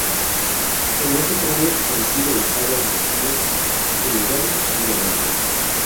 En ese tramo recibe las aguas de los ríos Tunuyán y Diamante.